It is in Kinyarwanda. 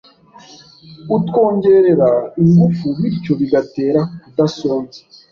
utwongerera ingufu bityo bigatera kudasonza.